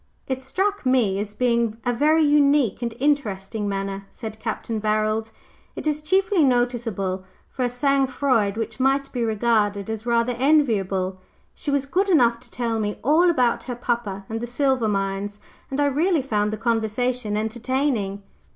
"It struck me as being a very unique and interesting manner," said Capt. Barold. "It is chiefly noticeable for a sang froid which might be regarded as rather enviable. She was good enough to tell me all about her papa and the silver mines, and I really found the conversation entertaining."